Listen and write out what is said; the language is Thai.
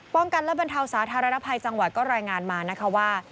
ป้องกันและบรรเทาสาธารณภัยจังหวัดก็รายงานมานะคะว่า